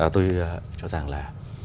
tôi cho rằng là